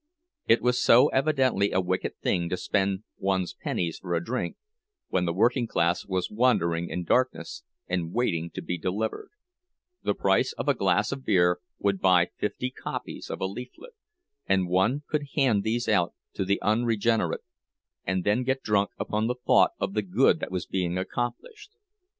It was so evidently a wicked thing to spend one's pennies for drink, when the working class was wandering in darkness, and waiting to be delivered; the price of a glass of beer would buy fifty copies of a leaflet, and one could hand these out to the unregenerate, and then get drunk upon the thought of the good that was being accomplished.